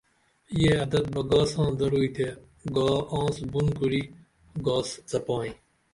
یہ عدت بہ گا ساں درو تے گا آنس بُن کُری گاس څپائیں